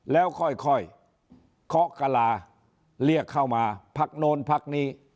แล้วค่อยเคาะกะลาเรียกเข้ามาพักโน้นพักนี้